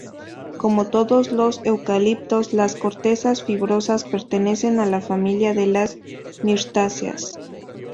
Como todos los eucaliptos, las cortezas fibrosas pertenecen a la familia de las mirtáceas.